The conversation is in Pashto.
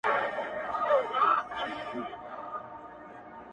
o ليلا مجنون ـ